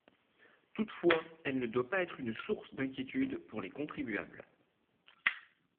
Toutefois, elle ne doit pas être une source d’inquiétude pour les contribuables.